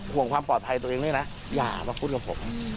ห่วงความปลอดภัยตัวเองด้วยนะอย่ามาพูดกับผม